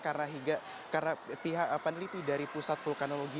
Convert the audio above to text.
karena pihak peneliti dari pusat vulkanologi